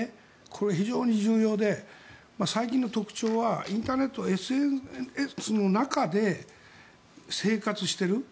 これ、非常に重要で最近の特徴はインターネット、ＳＮＳの中で生活している。